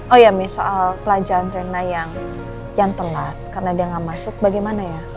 oh ya miss soal pelajaran rena yang telat karena dia gak masuk bagaimana ya